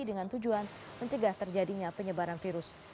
dengan tujuan mencegah terjadinya penyebaran virus